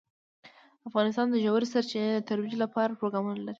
افغانستان د ژورې سرچینې د ترویج لپاره پروګرامونه لري.